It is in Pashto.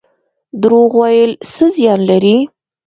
دروغ ویل څه زیان لري؟